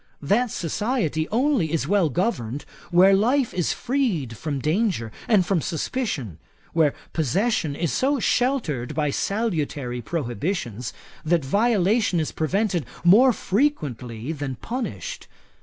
That society only is well governed, where life is freed from danger and from suspicion; where possession is so sheltered by salutary prohibitions, that violation is prevented more frequently than punished.